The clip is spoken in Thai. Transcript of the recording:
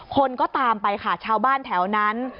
คนก็ตามไปค่ะชาวบ้านแถวนั้น